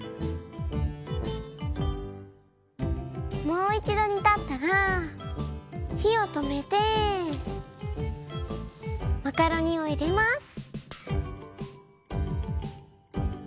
もういちどにたったら火をとめてマカロニをいれます。